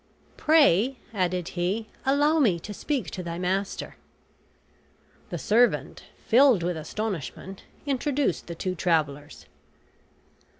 "Pray," added he, "allow me to speak to thy master." The servant, filled with astonishment, introduced the two travelers.